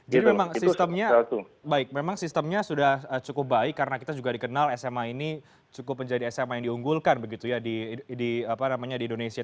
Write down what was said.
jadi memang sistemnya sudah cukup baik karena kita juga dikenal sma ini cukup menjadi sma yang diunggulkan begitu ya di indonesia